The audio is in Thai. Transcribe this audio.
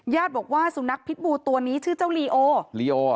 ญาติบอกว่าสุนัขพิษบูตัวนี้ชื่อเจ้าลีโอ